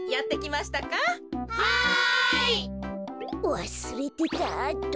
わすれてた。